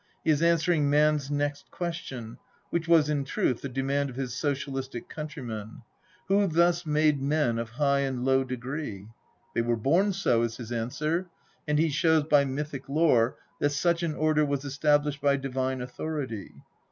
He is answering man's next question, which was in truth the demand of his socialistic countrymen " Who thus made men of high and low degree ?"" They were born so," is his answer, and he shows by mythic lore that such an order was established by divine autnority.